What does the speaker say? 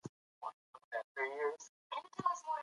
د هېواد مرکز د افغانستان د ټولنې لپاره بنسټيز رول لري.